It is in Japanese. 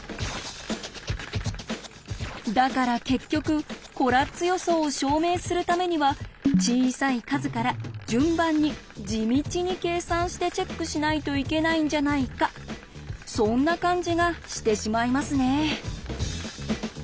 だから結局コラッツ予想を証明するためには小さい数から順番に地道に計算してチェックしないといけないんじゃないかそんな感じがしてしまいますね。